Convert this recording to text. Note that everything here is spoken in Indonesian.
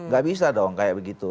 gak bisa dong kayak begitu